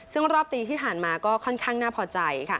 ซึ่งรอบปีที่ผ่านมาก็ค่อนข้างน่าพอใจ